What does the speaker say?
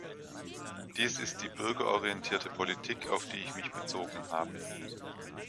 Dies ist die bürgerorientierte Politik, auf die ich mich bezogen habe.